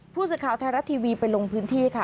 ผู้สื่อข่าวไทยรัฐทีวีไปลงพื้นที่ค่ะ